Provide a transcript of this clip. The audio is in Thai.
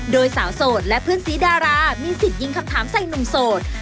โดยสาวโสดและเพื่อนสีดารามีสิทธิ์ยิงคำถามใส่หนุ่มโสด